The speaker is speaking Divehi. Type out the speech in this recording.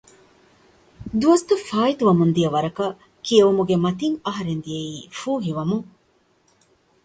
ދުވަސްތަށް ފާއިތުވަމުން ދިޔަ ވަރަކަށް ކިޔެވުމުގެ މަތިން އަހަރެން ދިޔައީ ފޫހިވަމުން